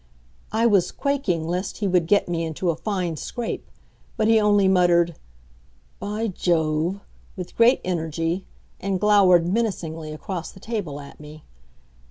I was quaking lest he would get me into a fine scrape, but he only muttered, "By Jove!" with great energy, and glowered menacingly across the table at me.